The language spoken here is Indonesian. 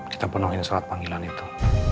kita penuhi surat panggilan itu